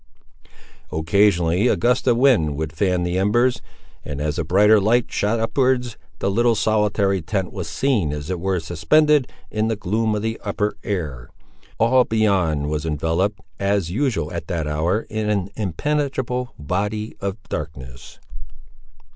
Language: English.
Occasionally a gust of wind would fan the embers; and, as a brighter light shot upwards, the little solitary tent was seen as it were suspended in the gloom of the upper air. All beyond was enveloped, as usual at that hour, in an impenetrable body of darkness.